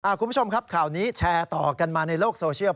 คุณผู้ชมครับข่าวนี้แชร์ต่อกันมาในโลกโซเชียล